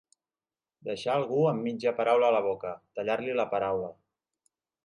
Deixar algú amb mitja paraula a la boca, tallar-li la paraula.